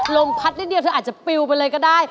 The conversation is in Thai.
ลมพัดนิดเดียวเธออาจจะปิวไปเลยก็ได้